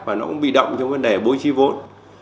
và nó cũng bị động cho vấn đề bối trí vốn